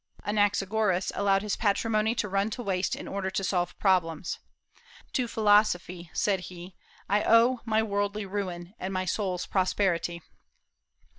Anaxagoras allowed his patrimony to run to waste in order to solve problems. "To philosophy," said he, "I owe my worldly ruin, and my soul's prosperity."